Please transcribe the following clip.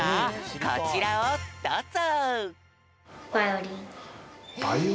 こちらをどうぞ！